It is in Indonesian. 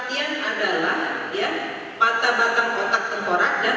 ini yang menjadi penyebab kematian dari korban